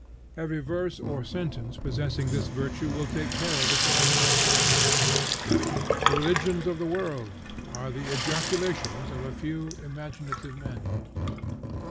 Every verse or sentence possessing this virtue will take care of its own immortality. The religions of the world are the ejaculations of a few imaginative men.